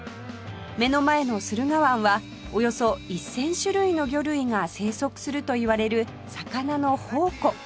目の前の駿河湾はおよそ１０００種類の魚類が生息するといわれる魚の宝庫